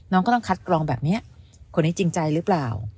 ก็ต้องคัดกรองแบบนี้คนนี้จริงใจหรือเปล่า